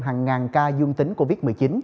hàng ngàn ca dương tính covid một mươi chín